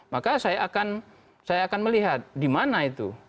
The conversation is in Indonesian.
maka saya akan melihat dimana itu